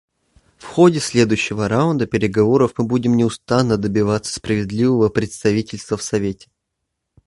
В ходе следующего раунда переговоров мы будем неустанно добиваться справедливого представительства в Совете.